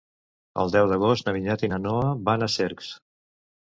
El deu d'agost na Vinyet i na Noa van a Cercs.